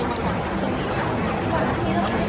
ช่องความหล่อของพี่ต้องการอันนี้นะครับ